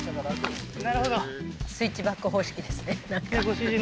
なるほどスイッチバック方式ですね